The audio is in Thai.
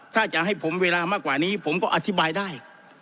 ถ้าจะให้ผมเวลามากกว่านี้ผมก็อธิบายได้